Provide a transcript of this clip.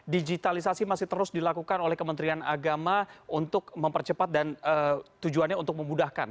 digitalisasi masih terus dilakukan oleh kementerian agama untuk mempercepat dan tujuannya untuk memudahkan